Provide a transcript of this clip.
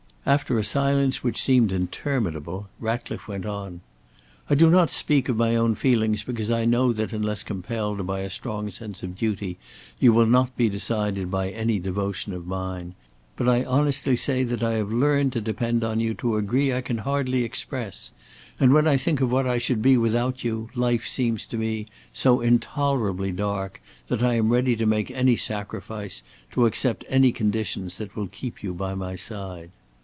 After a silence which seemed interminable, Ratcliffe went on: "I do not speak of my own feelings because I know that unless compelled by a strong sense of duty, you will not be decided by any devotion of mine. But I honestly say that I have learned to depend on you to a degree I can hardly express; and when I think of what I should be without you, life seems to me so intolerably dark that I am ready to make any sacrifice, to accept any conditions that will keep you by my side."